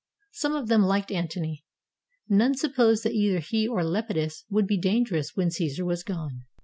Some of them liked Antony. None supposed that either he or Lepidus would be dangerous when Cassar was gone.